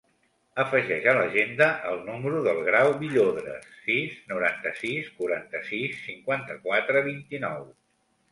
Afegeix a l'agenda el número del Grau Villodres: sis, noranta-sis, quaranta-sis, cinquanta-quatre, vint-i-nou.